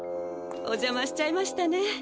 おじゃましちゃいましたね。